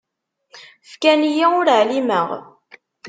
Fkan-iyi ur ɛlimeɣ.